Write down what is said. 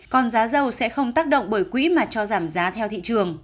còn giá dầu sẽ không tác động bởi quỹ mà cho giảm giá theo thị trường